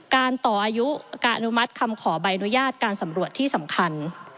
การต่ออายุการอนุมัติคำขอใบอนุญาตการสำรวจที่สำคัญ